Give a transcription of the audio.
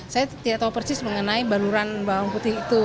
saya tidak tahu persis mengenai baluran bawang putih itu